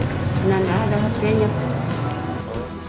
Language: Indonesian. kenapa datang ke sekolah setiap hari